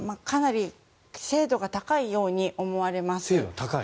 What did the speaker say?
かなり精度が高いように思われます。